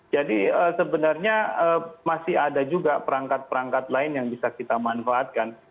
jadi sebenarnya masih ada juga perangkat perangkat lain yang bisa kita manfaatkan